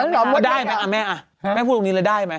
อ๋อได้ไหมอ่ะแม่แม่พูดตรงนี้แล้วได้ไหม